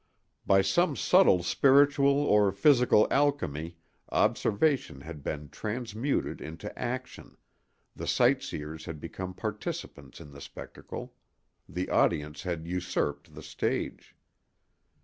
By some subtle spiritual or physical alchemy observation had been transmuted into action—the sightseers had become participants in the spectacle—the audience had usurped the stage.